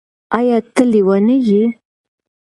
ایا ته لیونی یې؟